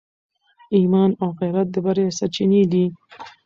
ایمان او غیرت د بریا سرچینې دي.